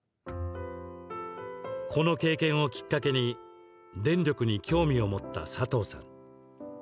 この経験をきっかけに電力に興味を持ったサトウさん。